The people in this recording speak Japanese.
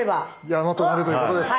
山となるということです。